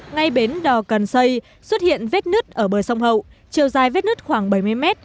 ngay bến đò cần xây xuất hiện vết nứt ở bờ sông hậu chiều dài vết nứt khoảng bảy mươi mét